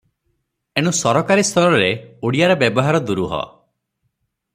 ଏଣୁ ସରକାରୀ ସ୍ତରରେ ଓଡ଼ିଆର ବ୍ୟବହାର ଦୂରୁହ ।